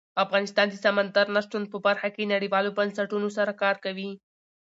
افغانستان د سمندر نه شتون په برخه کې نړیوالو بنسټونو سره کار کوي.